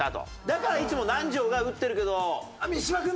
だからいつも南條が打ってるけど三島